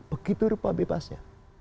begitu rupa bebasnya